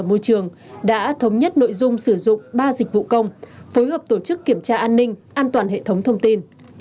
bộ trưởng đã thống nhất nội dung sử dụng ba dịch vụ công phối hợp tổ chức kiểm tra an ninh an toàn hệ thống thông tin